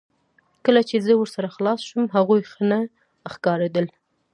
کله چې زه ورسره خلاص شوم هغوی ښه نه ښکاریدل